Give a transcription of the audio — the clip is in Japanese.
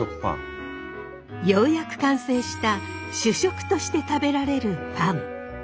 ようやく完成した主食として食べられるパン。